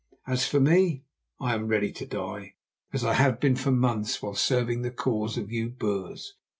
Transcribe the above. As for me, I am ready to die, as I have been for months while serving the cause of you Boers.